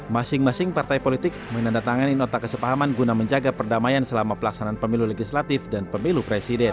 masing masing partai politik menandatangani nota kesepahaman guna menjaga perdamaian selama pelaksanaan pemilu legislatif dan pemilu presiden